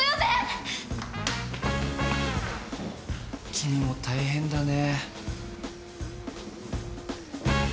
君も大変だね。